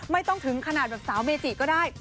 ไม่ต้องถึงขนาดแบบสาวเมจิก็ได้